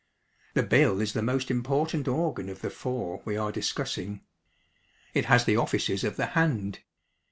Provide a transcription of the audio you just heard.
The bill is the most important organ of the four we are discussing. It has the offices of the hand.